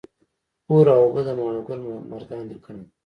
اور او اوبه د ماڼوګل مردان لیکنه ده